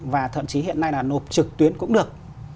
và thậm chí hiện nay là nộp trực tuyến cũng được